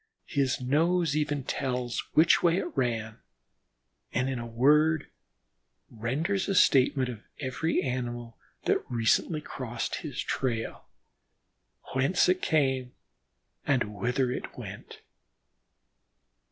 His nose even tells which way it ran, and in a word renders a statement of every animal that recently crossed his trail, whence it came, and whither it went.